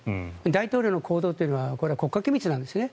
大統領の行動というのは国家機密なんですね。